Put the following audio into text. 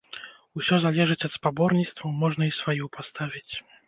Усё залежыць ад спаборніцтваў, можна і сваю паставіць.